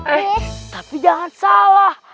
eh tapi jangan salah